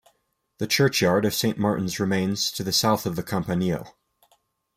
The churchyard of Saint Martin's remains to the south of the campanile.